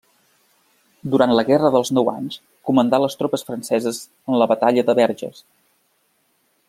Durant la Guerra dels Nou Anys comandà les tropes franceses en la Batalla de Verges.